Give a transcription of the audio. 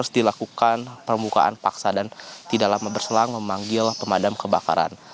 dan sehingga harus dilakukan pembukaan paksa dan tidak lama berselang memanggil pemadam kebakaran